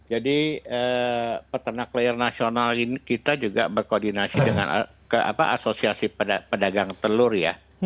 jadi peternak layar nasional ini kita juga berkoordinasi dengan asosiasi pedagang telur ya